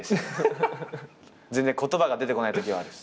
全然言葉が出てこないときはあるっす。